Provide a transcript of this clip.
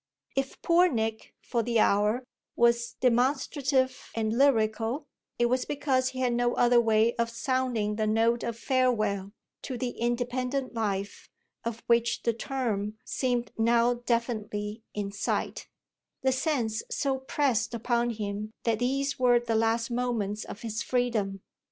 If poor Nick, for the hour, was demonstrative and lyrical, it was because he had no other way of sounding the note of farewell to the independent life of which the term seemed now definitely in sight the sense so pressed upon him that these were the last moments of his freedom.